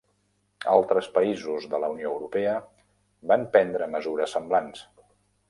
Altres països de la Unió Europea van prendre mesures semblants.